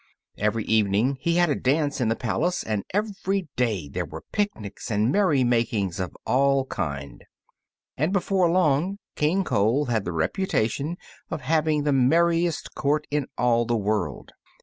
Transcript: Every evening he had a dance in the palace, and every day there were picnics and merry makings of all kinds, and before long King Cole had the reputation of having the merriest court in all the world.